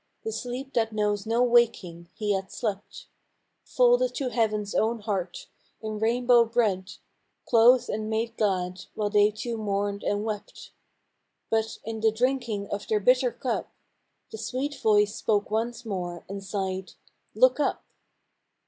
The sleep that knows no waking he had slept, Folded to heaven's own heart; in rainbow brede Clothed and made glad, while they two mourned and wept, But in the drinking of their bitter cup The sweet voice spoke once more, and sighed, " Look up!